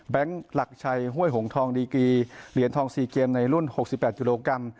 แบงค์หลักชัยห้วยหงทองดีกรีเหรียญทองสี่เกมในรุ่นหกสิบแปดยูโรกรัม